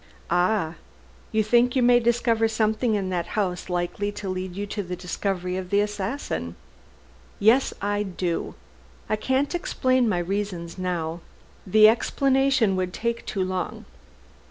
"Ah! You think you may discover something in that house likely to lead to the discovery of the assassin." "Yes I do. I can't explain my reasons now. The explanation would take too long.